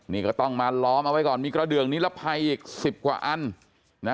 นี่ก็ต้องมาล้อมเอาไว้ก่อนมีกระเดืองนิรภัยอีก๑๐กว่าอันนะ